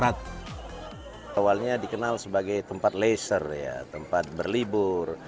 awalnya dikenal sebagai tempat leisure tempat berlibur